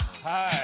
はい。